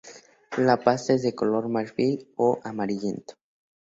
La pasta es de color marfil o amarillento.